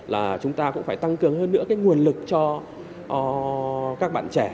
là chúng ta cũng phải tăng cường hơn nữa cái nguồn lực cho các bạn trẻ